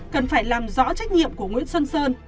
cần phải làm rõ trách nhiệm của nguyễn xuân sơn